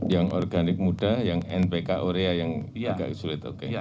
yang organik mudah yang npk oria yang agak kesulitan